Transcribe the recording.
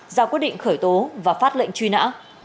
ra quyết định khởi tố và phát lệnh truy nã